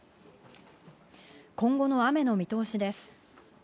今後の雨の見通しです。